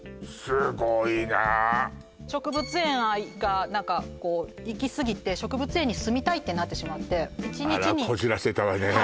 すごいね植物園愛が何かこういきすぎて植物園に住みたいってなってしまって１日にあらこじらせたわね